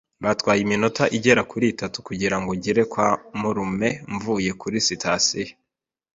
Byatwaye iminota igera kuri itanu kugirango ngere kwa marume mvuye kuri sitasiyo.